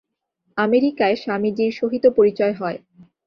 আমেরিকায় স্বামীজীর সহিত পরিচয় হয়।